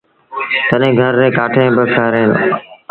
تڏهيݩ گھر ريٚݩ ڪآٺيٚن با ڪري دو